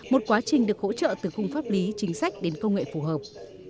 một quá trình được hỗ trợ từ khung pháp lý chính sách đến công nghệ phù hợp